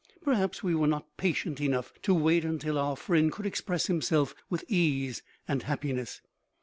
Perhaps we were not patient enough to wait until our friend could express himself with ease and happiness.